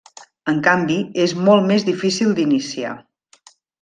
En canvi, és molt més difícil d'iniciar.